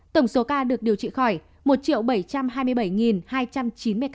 tổng số ca được điều trị khỏi một bảy trăm hai mươi bảy hai trăm chín mươi ca